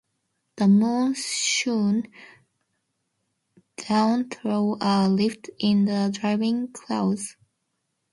The moon shone down through a rift in the driving clouds.